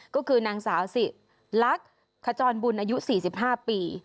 ก็คือนางสาวสิลักษณ์ขจรบุญอายุ๔๕ปี